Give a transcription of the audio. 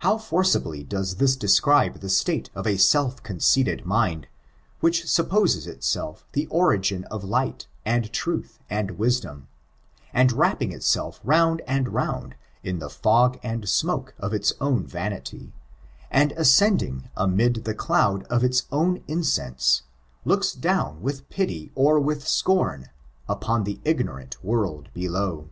How forcibly does this describe the state of a self conceited mind, which supposes itself the origin of tight, and truth, and wisdom; and wrapping itself round and round in the fog and smoke of its own vanity, and ascending amid the cloud of its own incense, looks down with pity or with, scorn, upon the ignorant world below!